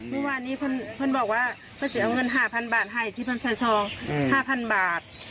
ฮูบันนี้คนบอกว่าเขาจะเงิน๕๐๐๐บาทให้ที่พันธุรมือ๑๒๐๐๐บาท